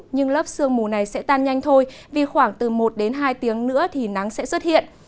nhưng lớp sương mù này sẽ tan nhanh thôi vì khoảng từ một đến hai tiếng nữa thì nắng sẽ xuất hiện